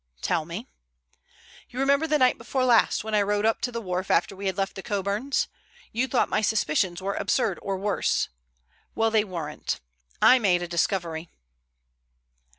"Tell me." "You remember the night before last when I rowed up to the wharf after we had left the Coburns? You thought my suspicions were absurd or worse. Well, they weren't. I made a discovery."